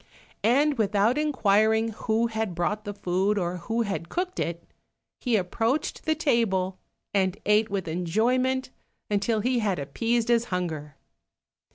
And without inquiring who had brought the food, or who had cooked it, he approached the table, and ate with enjoyment until he had appeased his hunger.